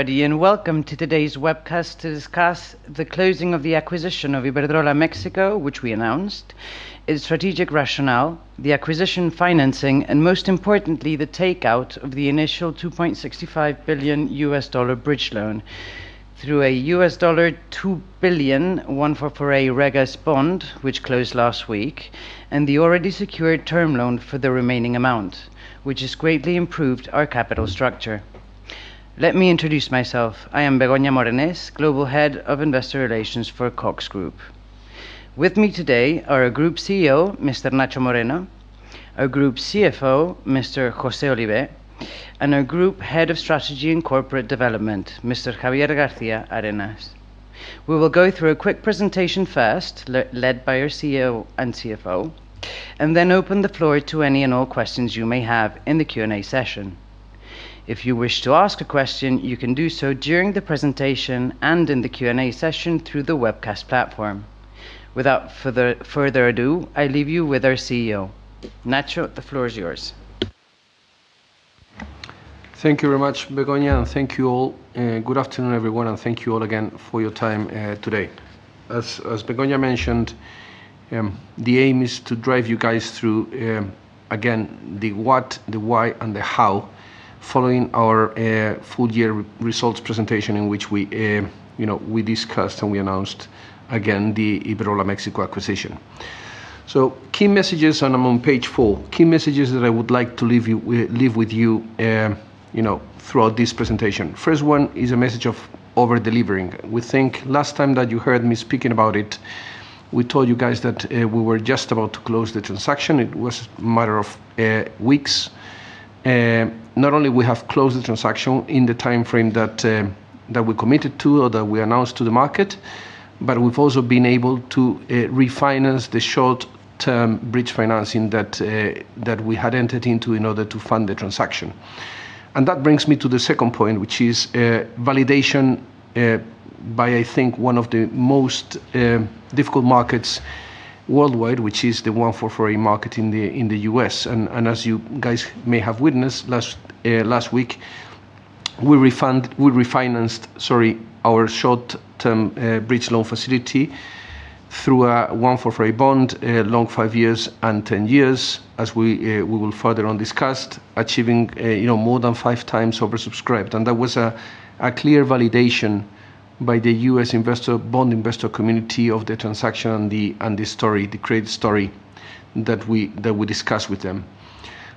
Everybody, welcome to today's webcast to discuss the closing of the acquisition of Iberdrola México, which we announced, its strategic rationale, the acquisition financing, and most importantly, the takeout of the initial $2.65 billion bridge loan through a $2 billion 144A/Reg S bond, which closed last week, and the already secured term loan for the remaining amount, which has greatly improved our capital structure. Let me introduce myself. I am Begoña Morenés, Global Head of Investor Relations for Cox ABG Group. With me today are our Group CEO, Mr. Nacho Moreno, our Group CFO, Mr. José Olivé, and our Group Head of Strategy and Corporate Development, Mr. Javier García-Arenas. We will go through a quick presentation first, led by our CEO and CFO, and then open the floor to any and all questions you may have in the Q&A session. If you wish to ask a question, you can do so during the presentation and in the Q&A session through the webcast platform. Without further ado, I leave you with our CEO. Nacho, the floor is yours. Thank you very much, Begoña, and thank you all. Good afternoon, everyone, and thank you all again for your time today. As Begoña mentioned, the aim is to drive you guys through again, the what, the why, and the how following our full-year results presentation in which we, you know, we discussed and we announced again the Iberdrola México acquisition. Key messages, and I'm on page four. Key messages that I would like to leave you, leave with you know, throughout this presentation. First one is a message of over-delivering. We think last time that you heard me speaking about it, we told you guys that we were just about to close the transaction. It was matter of weeks. Not only we have closed the transaction in the timeframe that we committed to or that we announced to the market, but we've also been able to refinance the short-term bridge financing that we had entered into in order to fund the transaction. That brings me to the second point, which is validation by I think one of the most difficult markets worldwide, which is the 144A market in the U.S. As you guys may have witnessed last week, we refinanced, sorry, our short-term bridge loan facility through a 144A bond, long five years and 10 years as we will further on discuss, achieving, you know, more than 5x oversubscribed. That was a clear validation by the U.S. investor, bond investor community of the transaction and the story, the great story that we discussed with them.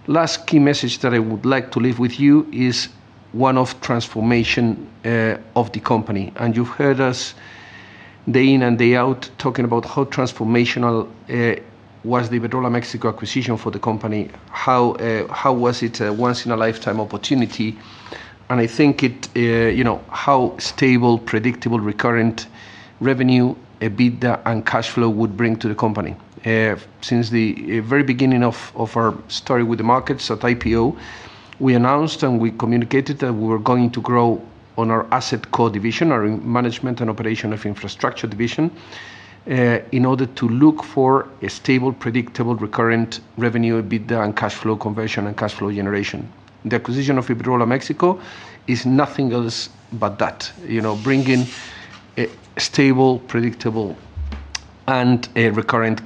Last key message that I would like to leave with you is one of transformation of the company. You've heard us day in and day out talking about how transformational was the Iberdrola México acquisition for the company, how was it a once in a lifetime opportunity. I think it, you know, how stable, predictable, recurrent revenue, EBITDA, and cash flow would bring to the company. Since the very beginning of our story with the markets at IPO, we announced and we communicated that we were going to grow on our AssetCo division, our management and operation of infrastructure division, in order to look for a stable, predictable, recurrent revenue, EBITDA, and cash flow conversion and cash flow generation. The acquisition of Iberdrola México is nothing else but that, you know, bringing a stable, predictable, and a recurrent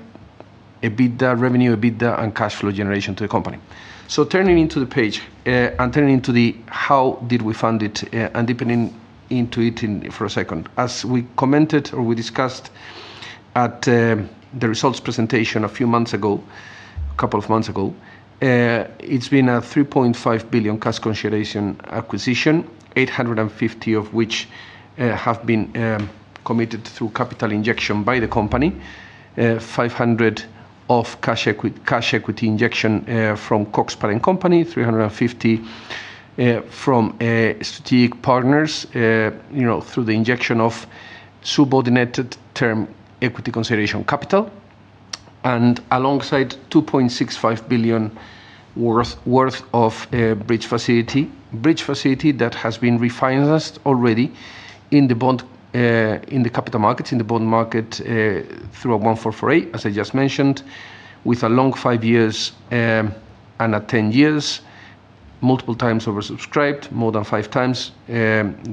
revenue, EBITDA, and cash flow generation to the company. Turning into the page, and turning into the how did we fund it, and deepening into it for a second. As we commented or we discussed at the results presentation a few months ago, a couple of months ago, it's been a 3.5 billion cash consideration acquisition, 850 of which have been committed through capital injection by the company. 500 of cash equity injection from Cox Parent company, 350 from strategic partners through the injection of subordinated term equity consideration capital. Alongside 2.65 billion worth of bridge facility that has been refinanced already in the bond in the capital markets, in the bond market, through a 144A, as I just mentioned, with a long five years and a 10 years, multiple times oversubscribed, more than 5x.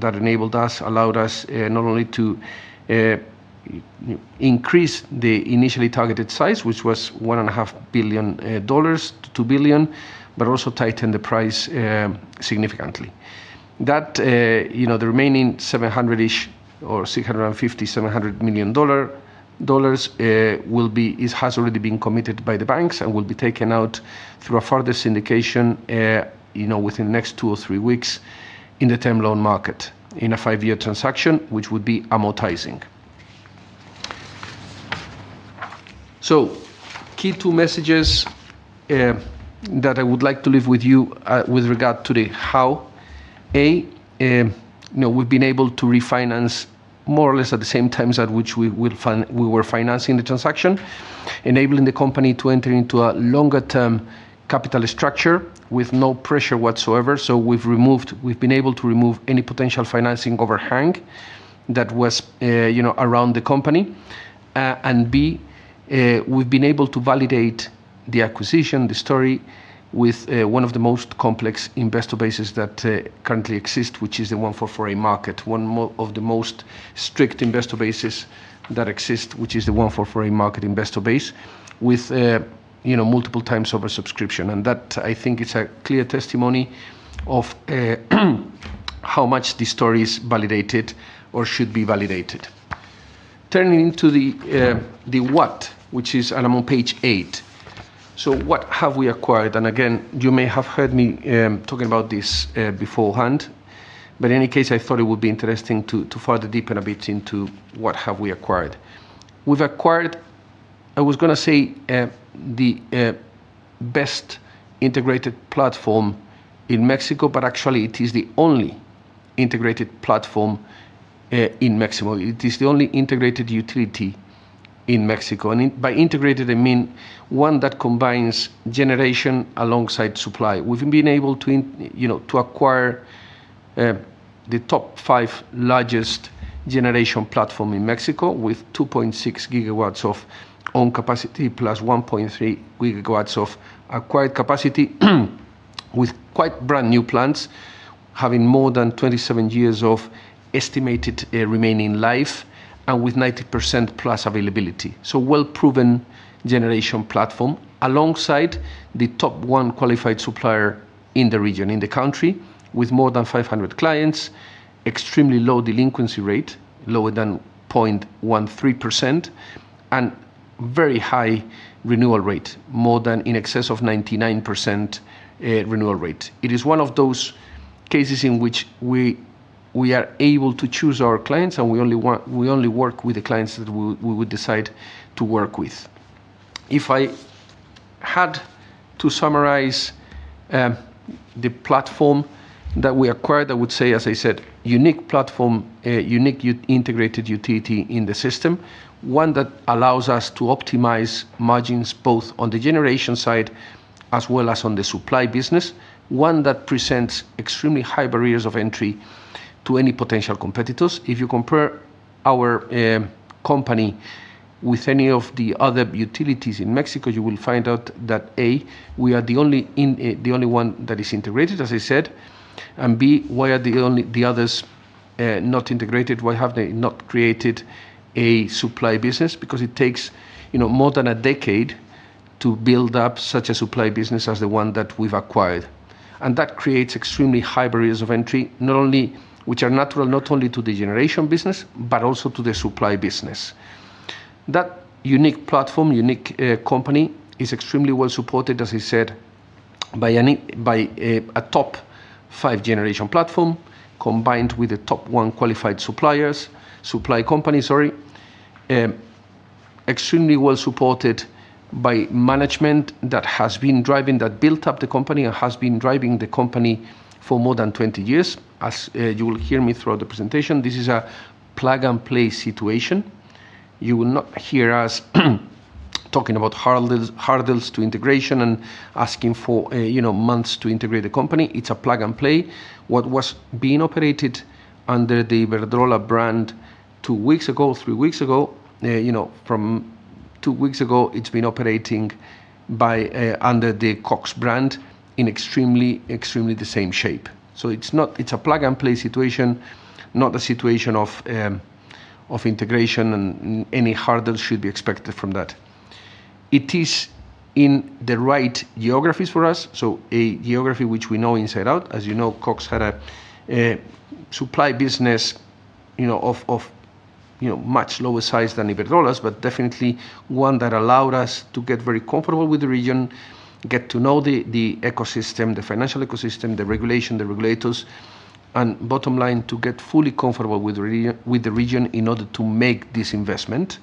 That enabled us, allowed us, not only to increase the initially targeted size, which was $1.5 billion-$2 billion, but also tighten the price significantly. That, you know, the remaining $650 million-$700 million has already been committed by the banks and will be taken out through a further syndication, you know, within the next two or three weeks in the term loan market in a five-year transaction, which would be amortizing. Key two messages that I would like to leave with you with regard to the how. A, you know, we've been able to refinance more or less at the same time as at which we were financing the transaction, enabling the company to enter into a longer-term capital structure with no pressure whatsoever. We've been able to remove any potential financing overhang. That was, you know, around the company. B, we've been able to validate the acquisition, the story, with one of the most complex investor bases that currently exist, which is the 144A market. One of the most strict investor bases that exist, which is the 144A market investor base with, you know, multiple times over subscription. That, I think, is a clear testimony of how much the story is validated or should be validated. Turning to the what, which is I'm on page eight. What have we acquired? Again, you may have heard me talking about this beforehand, but any case, I thought it would be interesting to further deepen a bit into what have we acquired. We've acquired, I was gonna say, the best integrated platform in Mexico, but actually it is the only integrated platform in Mexico. It is the only integrated utility in Mexico. In by integrated, I mean one that combines generation alongside supply. We've been able to you know, to acquire the top five largest generation platform in Mexico with 2.6GW of own capacity, plus 1.3GW of acquired capacity, with quite brand-new plants having more than 27 years of estimated remaining life and with 90%+ availability. Well-proven generation platform alongside the top one qualified supplier in the region, in the country, with more than 500 clients, extremely low delinquency rate, lower than 0.13%, and very high renewal rate, more than in excess of 99% renewal rate. It is one of those cases in which we are able to choose our clients, and we only work with the clients that we would decide to work with. If I had to summarize the platform that we acquired, I would say, as I said, unique platform, unique integrated utility in the system, one that allows us to optimize margins, both on the generation side as well as on the supply business. One that presents extremely high barriers of entry to any potential competitors. If you compare our company with any of the other utilities in Mexico, you will find out that, A, we are the only one that is integrated, as I said, B, why are the others not integrated? Why have they not created a supply business? Because it takes, you know, more than a decade to build up such a supply business as the one that we've acquired. That creates extremely high barriers of entry, not only, which are natural not only to the generation business, but also to the supply business. That unique platform, unique company, is extremely well-supported, as I said, by a top five generation platform, combined with the top one supply company. Extremely well-supported by management that has been driving, that built up the company and has been driving the company for more than 20 years. As you will hear me throughout the presentation, this is a plug-and-play situation. You will not hear us talking about hurdles to integration and asking for, you know, months to integrate the company. It's a plug and play. What was being operated under the Iberdrola brand two weeks ago, two weeks ago, you know, from two weeks ago, it's been operating by under the Cox brand in extremely the same shape. It's a plug-and-play situation, not a situation of integration and any hurdles should be expected from that. It is in the right geographies for us. A geography which we know inside out. As you know, Cox had a supply business, you know, of, you know, much lower size than Iberdrola's, but definitely one that allowed us to get very comfortable with the region, get to know the ecosystem, the financial ecosystem, the regulation, the regulators, and bottom line, to get fully comfortable with the region in order to make this investment.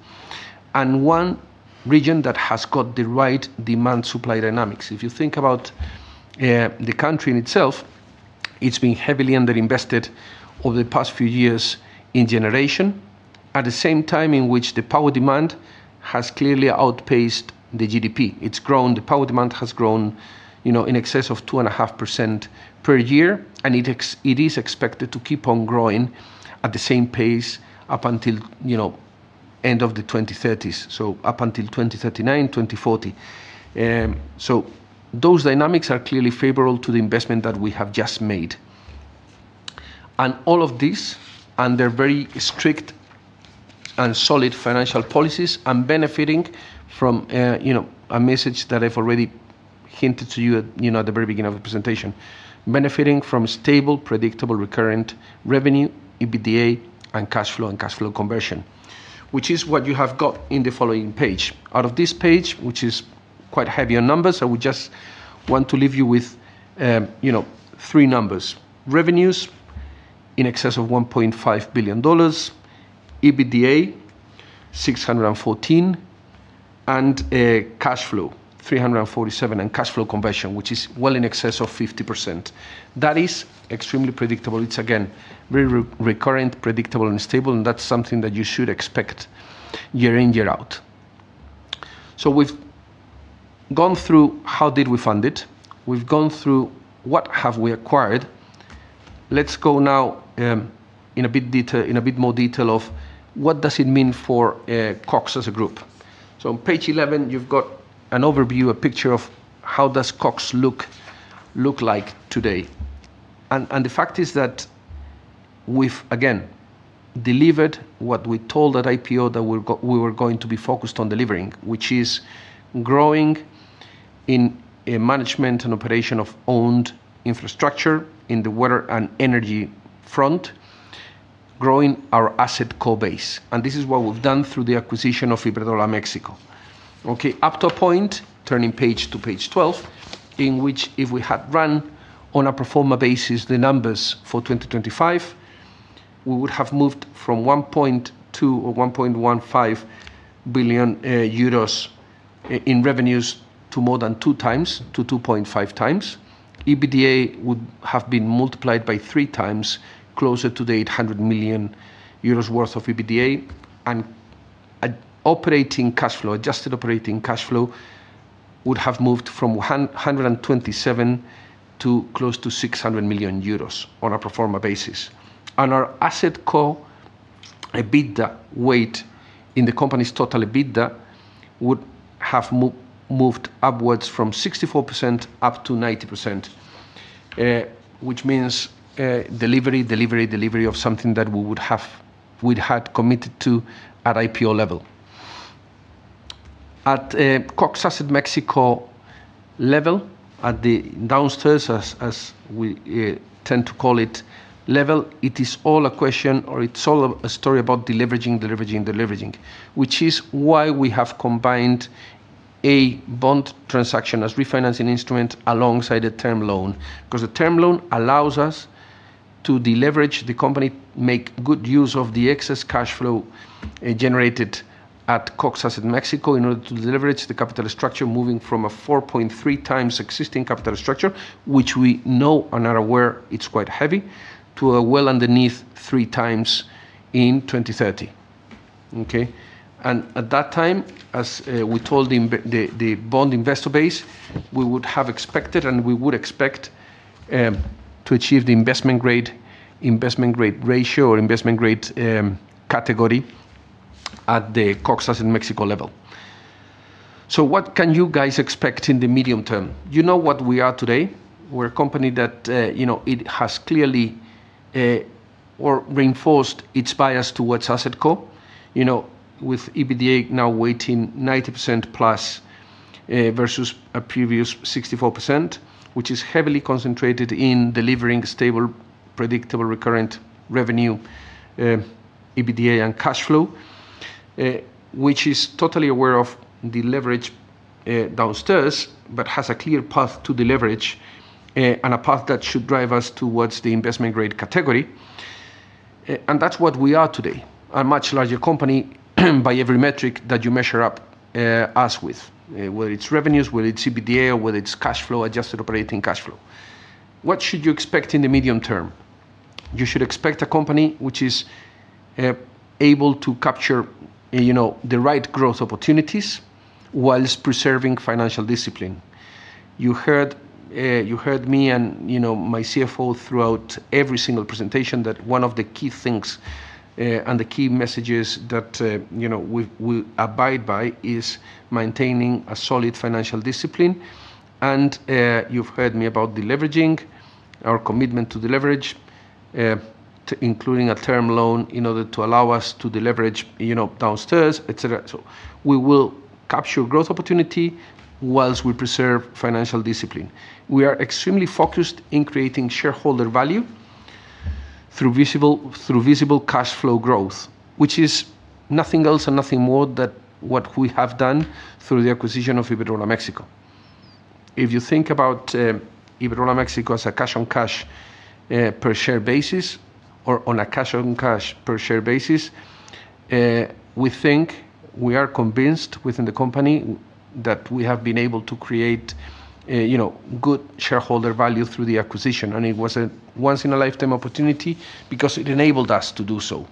One region that has got the right demand supply dynamics. If you think about the country in itself, it's been heavily underinvested over the past few years in generation, at the same time in which the power demand has clearly outpaced the GDP. It's grown. The power demand has grown, you know, in excess of 2.5% per year, and it is expected to keep on growing at the same pace up until, you know, end of the 2030s. Up until 2039, 2040. Those dynamics are clearly favorable to the investment that we have just made. All of this, under very strict and solid financial policies and benefiting from, you know, a message that I've already hinted to you at, you know, at the very beginning of the presentation. Benefiting from stable, predictable, recurrent revenue, EBITDA, and cash flow, and cash flow conversion, which is what you have got in the following page. Out of this page, which is quite heavy on numbers, we just want to leave you with, you know, three numbers. Revenues in excess of $1.5 billion, EBITDA 614, cash flow 347, and cash flow conversion, which is well in excess of 50%. That is extremely predictable. It's, again, very recurrent, predictable, and stable, and that's something that you should expect year in, year out. We've gone through how did we fund it? We've gone through what have we acquired? Let's go now in a bit more detail of what does it mean for Cox as a group. On page 11, you've got an overview, a picture of how does Cox look like today. The fact is that we've, again, delivered what we told at IPO that we were going to be focused on delivering, which is growing in a management and operation of owned infrastructure in the water and energy front, growing our AssetCo base. This is what we've done through the acquisition of Iberdrola México. Okay, up to a point, turning page to page 12, in which if we had run on a pro forma basis the numbers for 2025, we would have moved from 1.2 billion or 1.15 billion euros in revenues to more than 2x-2.5x. EBITDA would have been multiplied by 3x closer to the 800 million euros worth of EBITDA. Operating cash flow, adjusted operating cash flow would have moved from 127 million to close to 600 million euros on a pro forma basis. Our AssetCo EBITDA weight in the company's total EBITDA would have moved upwards from 64% up to 90%, which means delivery of something that we had committed to at IPO level. At Cox Asset Mexico level, at the downstairs, as we tend to call it, level, it is all a question or it is all a story about deleveraging. Which is why we have combined a bond transaction as refinancing instrument alongside a term loan. The term loan allows us to deleverage the company, make good use of the excess cash flow generated at Cox Asset Mexico in order to deleverage the capital structure moving from a 4.3x existing capital structure, which we know and are aware it's quite heavy, to a well underneath 3x in 2030. Okay? At that time, as we told the bond investor base, we would have expected and we would expect to achieve the investment grade ratio or investment grade category at the Cox Asset Mexico level. What can you guys expect in the medium term? You know what we are today. We're a company that, you know, it has clearly or reinforced its bias towards AssetCo, you know, with EBITDA now weighting 90% plus versus a previous 64%, which is heavily concentrated in delivering stable, predictable, recurrent revenue, EBITDA and cash flow. Which is totally aware of the leverage downstairs, but has a clear path to the leverage and a path that should drive us towards the investment grade category. And that's what we are today, a much larger company by every metric that you measure up us with, whether it's revenues, whether it's EBITDA, or whether it's cash flow, adjusted operating cash flow. What should you expect in the medium term? You should expect a company which is able to capture, you know, the right growth opportunities whilst preserving financial discipline. You heard, you heard me and, you know, my CFO throughout every single presentation that one of the key things and the key messages that, you know, we abide by is maintaining a solid financial discipline. You've heard me about deleveraging, our commitment to deleverage, to including a term loan in order to allow us to deleverage, you know, downstairs, et cetera. We will capture growth opportunity whilst we preserve financial discipline. We are extremely focused in creating shareholder value through visible cash flow growth, which is nothing else and nothing more than what we have done through the acquisition of Iberdrola México. If you think about Iberdrola México as a cash-on-cash per share basis or on a cash-on-cash per share basis, we think we are convinced within the company that we have been able to create, you know, good shareholder value through the acquisition. It was a once in a lifetime opportunity because it enabled us to do so.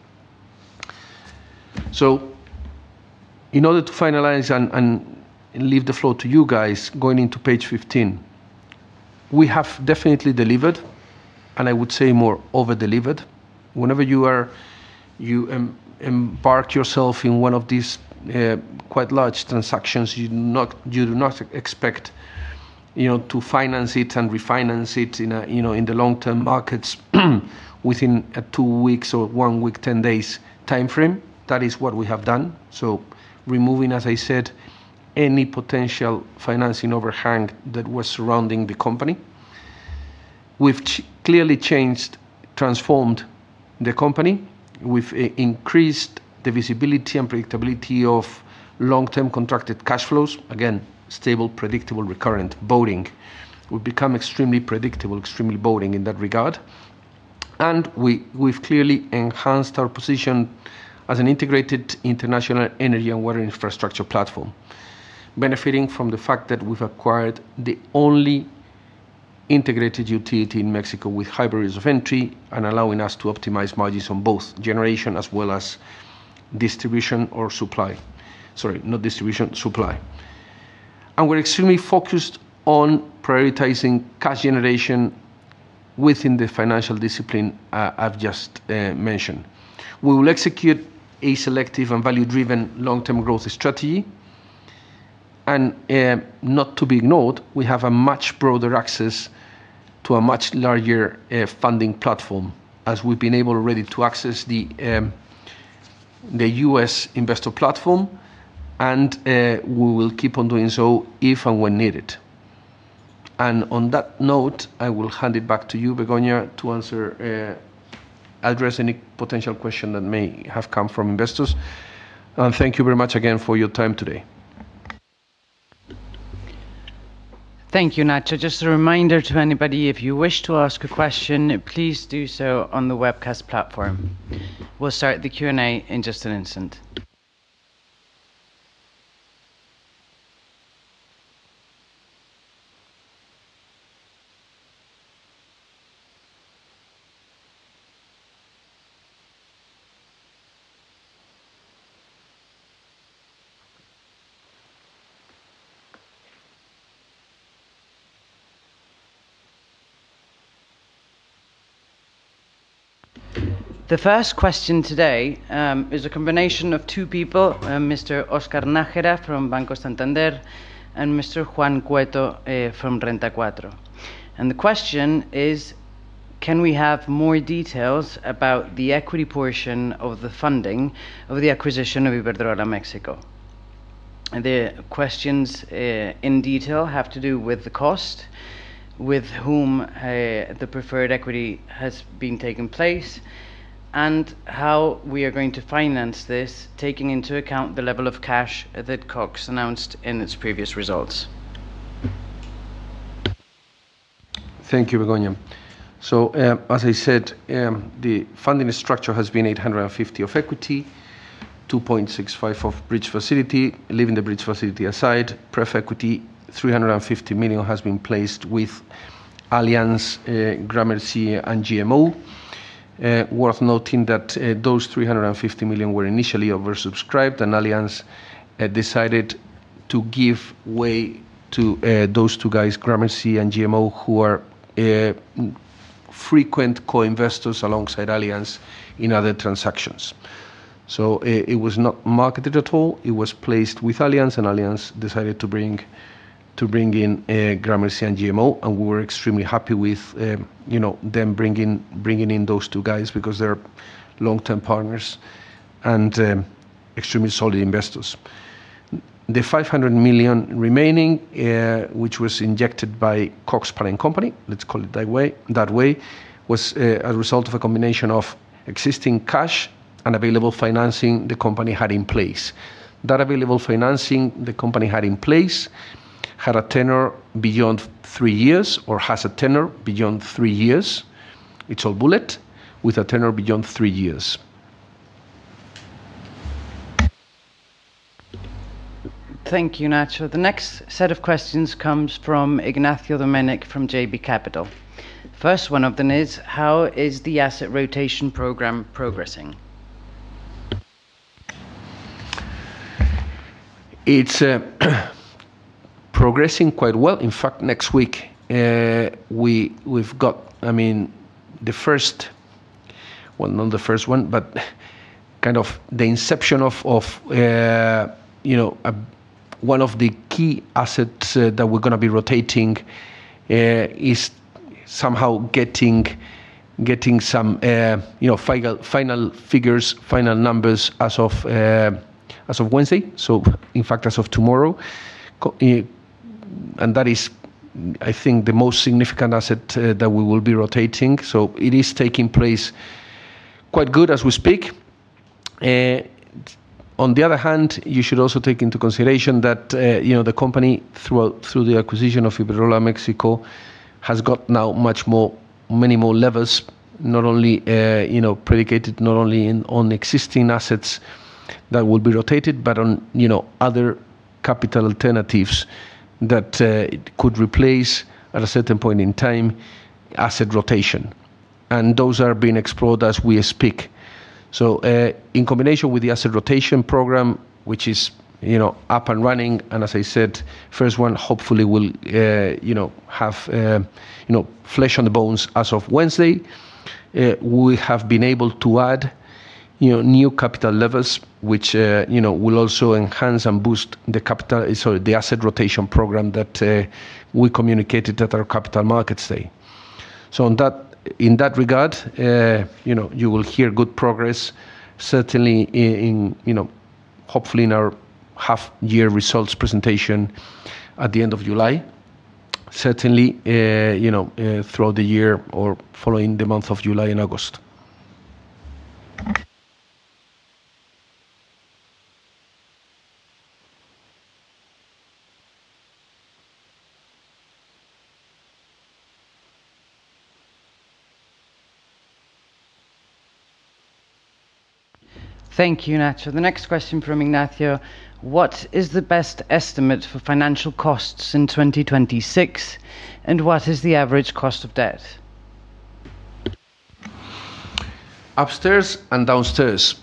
In order to finalize and leave the floor to you guys, going into page 15, we have definitely delivered, and I would say more over-delivered. Whenever you embark yourself in one of these quite large transactions, you do not expect, you know, to finance it and refinance it in a, you know, in the long-term markets within a two weeks or one week, 10 days timeframe. That is what we have done. Removing, as I said, any potential financing overhang that was surrounding the company. We've clearly changed, transformed the company. We've increased the visibility and predictability of long-term contracted cash flows. Again, stable, predictable, recurrent, boring. We've become extremely predictable, extremely boring in that regard. We've clearly enhanced our position as an integrated international energy and water infrastructure platform, benefiting from the fact that we've acquired the only integrated utility in Mexico with barriers to entry and allowing us to optimize margins on both generation as well as distribution or supply. Sorry, not distribution, supply. We're extremely focused on prioritizing cash generation within the financial discipline I've just mentioned. We will execute a selective and value-driven long-term growth strategy. Not to be ignored, we have a much broader access to a much larger funding platform, as we've been able already to access the U.S. investor platform. We will keep on doing so if and when needed. On that note, I will hand it back to you, Begoña, to answer, address any potential question that may have come from investors. Thank you very much again for your time today. Thank you, Nacho. Just a reminder to anybody, if you wish to ask a question, please do so on the webcast platform. We'll start the Q&A in just an instant. The first question today is a combination of two people, Mr. Oscar Najar from Banco Santander and Mr. Juan Cueto from Renta 4. The question is, can we have more details about the equity portion of the funding of the acquisition of Iberdrola México? The questions in detail have to do with the cost, with whom the preferred equity has been taking place, and how we are going to finance this, taking into account the level of cash that Cox announced in its previous results. Thank you, Begoña. As I said, the funding structure has been $850 of equity, $2.65 of bridge facility. Leaving the bridge facility aside, pref equity, $350 million has been placed with Allianz, Gramercy, and GMO. Worth noting that those $350 million were initially oversubscribed, and Allianz decided to give way to those two guys, Gramercy and GMO, who are frequent co-investors alongside Allianz in other transactions. It was not marketed at all. It was placed with Allianz, and Allianz decided to bring in Gramercy and GMO. We're extremely happy with, you know, them bringing in those two guys because they're long-term partners and extremely solid investors. The $500 million remaining, which was injected by Cox Parent and company, let's call it that way, was a result of a combination of existing cash and available financing the company had in place. That available financing the company had in place had a tenor beyond three years, or has a tenor beyond three years. It's all bullet with a tenor beyond three years. Thank you, Nacho. The next set of questions comes from Ignacio Domenech from JB Capital. First one of them is, how is the asset rotation program progressing? It's progressing quite well. In fact, next week, we've got I mean, the first Well, not the first one, but kind of the inception of, you know, a One of the key assets that we're gonna be rotating, is somehow getting some, you know, final figures, final numbers as of, as of Wednesday. In fact, as of tomorrow. And that is, I think, the most significant asset, that we will be rotating. It is taking place quite good as we speak. On the other hand, you should also take into consideration that, you know, the company through the acquisition of Iberdrola México has got now much more, many more levers, not only, you know, predicated not only on existing assets that will be rotated, but on, you know, other capital alternatives that could replace, at a certain point in time, asset rotation. Those are being explored as we speak. In combination with the asset rotation program, which is, you know, up and running, and as I said, first one hopefully will, you know, have, you know, flesh on the bones as of Wednesday. We have been able to add, you know, new capital levels, which, you know, will also enhance and boost the asset rotation program that we communicated at our Capital Markets Day. On that, in that regard, you know, you will hear good progress certainly in, you know, hopefully in our half-year results presentation at the end of July. Certainly, you know, throughout the year or following the month of July and August. Thank you, Nacho. The next question from Ignacio: What is the best estimate for financial costs in 2026, and what is the average cost of debt? Upstairs and downstairs.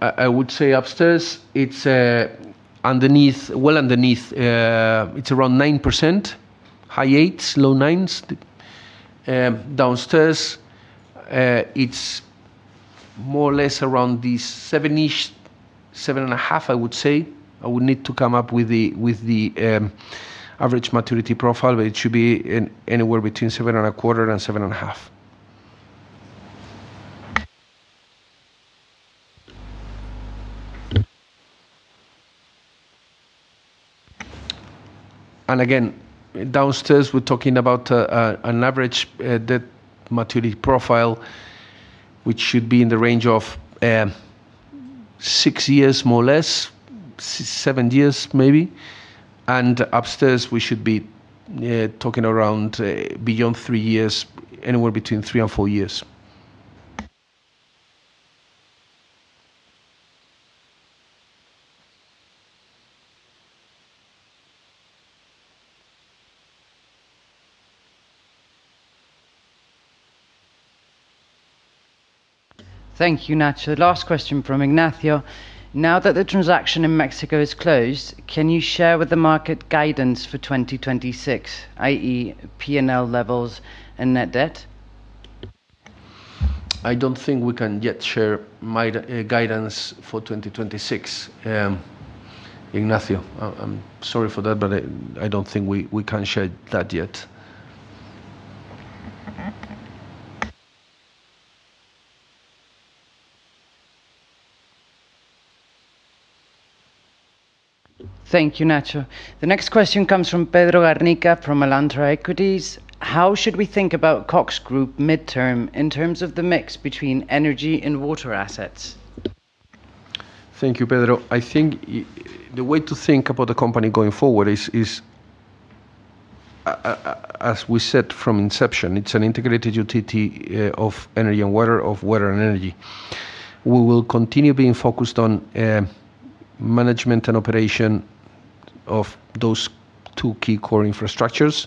I would say upstairs, it's underneath, well underneath, it's around 9%, high 8s, low 9s. Downstairs, it's more or less around the 7-ish, 7.5% I would say. I would need to come up with the, with the average maturity profile, but it should be in anywhere between 7.25% and 7.5%. Again, downstairs, we're talking about an average debt maturity profile, which should be in the range of six years, more or less, seven years maybe. Upstairs, we should be talking around beyond three years, anywhere between three and four years. Thank you, Nacho. Last question from Ignacio. Now that the transaction in Mexico is closed, can you share with the market guidance for 2026, i.e., P&L levels and net debt? I don't think we can yet share my guidance for 2026, Ignacio. I'm sorry for that, but I don't think we can share that yet. Thank you, Nacho. The next question comes from Pedro Garnica from Alantra Equities. How should we think about Cox Group midterm in terms of the mix between energy and water assets? Thank you, Pedro. I think the way to think about the company going forward is, as we said from inception, it's an integrated utility of energy and water, of water and energy. We will continue being focused on management and operation of those two key core infrastructures.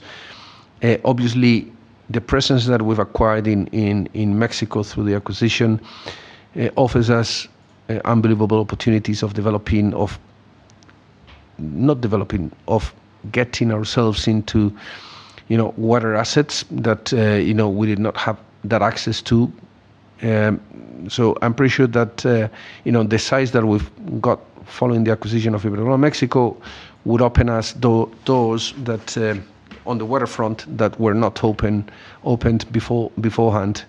Obviously, the presence that we've acquired in Mexico through the acquisition offers us unbelievable opportunities of developing, of getting ourselves into, you know, water assets that, you know, we did not have that access to. So I'm pretty sure that, you know, the size that we've got following the acquisition of Iberdrola México would open us doors that on the waterfront that were not opened beforehand.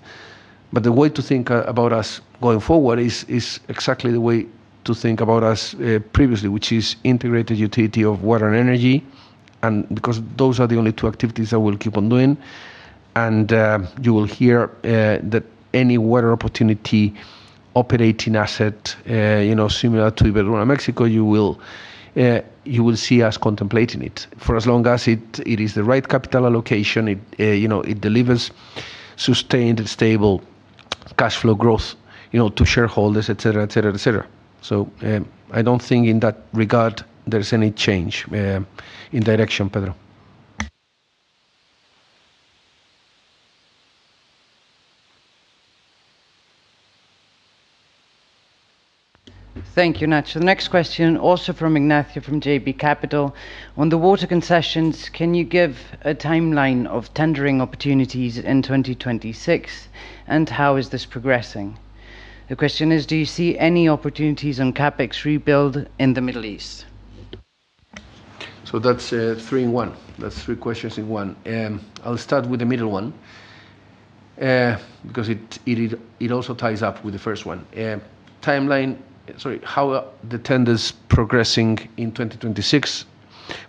The way to think about us going forward is exactly the way to think about us previously, which is integrated utility of water and energy, and because those are the only two activities that we'll keep on doing. You will hear that any water opportunity operating asset, you know, similar to Iberdrola México, you will see us contemplating it for as long as it is the right capital allocation, it, you know, it delivers sustained and stable cash flow growth, you know, to shareholders, et cetera, et cetera, et cetera. I don't think in that regard there's any change in direction, Pedro. Thank you, Nacho. The next question, also from Ignacio from JB Capital. On the water concessions, can you give a timeline of tendering opportunities in 2026, and how is this progressing? The question is, do you see any opportunities on CapEx rebuild in the Middle East? That's three in one. That's three questions in one. I'll start with the middle one, because it also ties up with the first one. Timeline, sorry, how are the tenders progressing in 2026,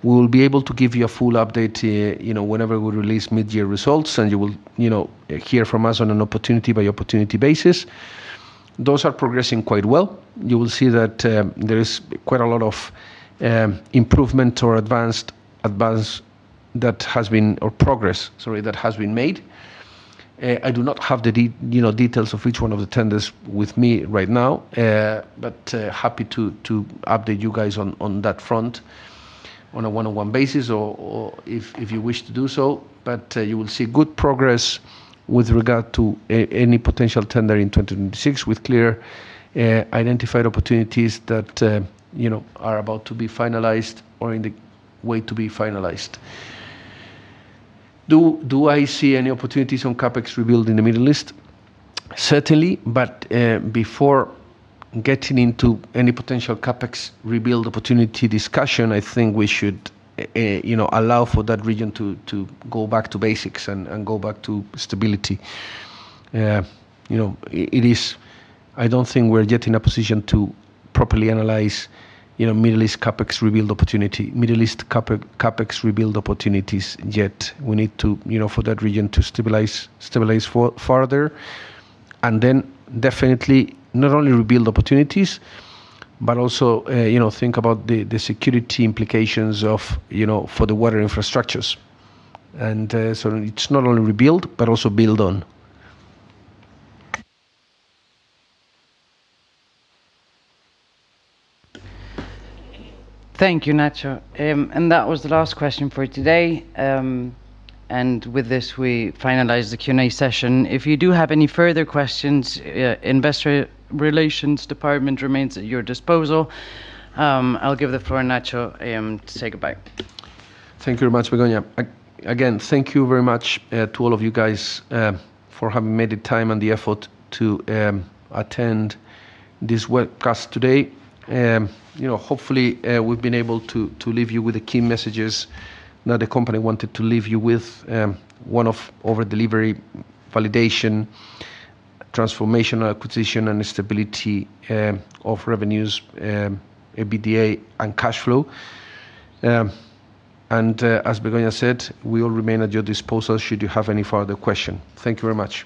we'll be able to give you a full update, you know, whenever we release mid-year results, and you will, you know, hear from us on an opportunity by opportunity basis. Those are progressing quite well. You will see that there is quite a lot of improvement or advance that has been, or progress, sorry, that has been made. I do not have the you know, details of each one of the tenders with me right now, but happy to update you guys on that front on a one-on-one basis or if you wish to do so. You will see good progress with regard to any potential tender in 2026 with clear identified opportunities that, you know, are about to be finalized or in the way to be finalized. Do I see any opportunities on CapEx rebuild in the Middle East? Certainly, but before getting into any potential CapEx rebuild opportunity discussion, I think we should, you know, allow for that region to go back to basics and go back to stability. You know, I don't think we're yet in a position to properly analyze, you know, Middle East CapEx rebuild opportunities yet. We need to, you know, for that region to stabilize further, then definitely not only rebuild opportunities, but also, you know, think about the security implications of, you know, for the water infrastructures. It is not only rebuild, but also build on. Thank you, Nacho. That was the last question for today. With this, we finalize the Q&A session. If you do have any further questions, Investor Relations department remains at your disposal. I'll give the floor to Nacho to say goodbye. Thank you very much, Begoña. Again, thank you very much to all of you guys for having made the time and the effort to attend this webcast today. You know, hopefully, we've been able to leave you with the key messages that the company wanted to leave you with, one of over delivery validation, transformational acquisition, and stability of revenues, EBITDA, and cash flow. As Begoña said, we will remain at your disposal should you have any further question. Thank you very much.